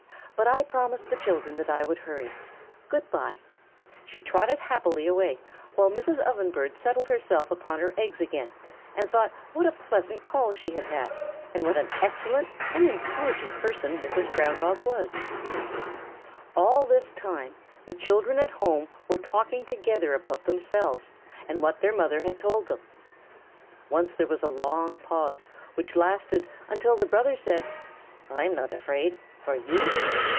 But I promised the children that I would hurry. Good by." She trotted happily away, while Mrs. Ovenbird settled herself upon her eggs again and thought what a pleasant call she had had and what an excellent and intelligent person Mrs. Ground Hog was! All this time the children at home were talking together about themselves and what their mother had told them. Once there was a long pause which lasted until the brother said: "I'm not afraid, are you?"